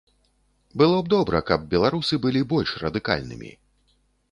Было б добра, каб беларусы былі больш радыкальнымі.